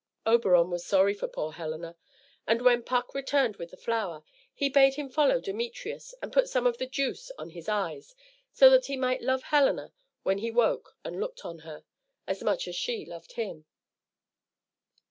Oberon was sorry for poor Helena, and when Puck returned with the flower, he bade him follow Demetrius and put some of the juice on his eyes, so that he might love Helena when he woke and looked on her, as much as she loved him.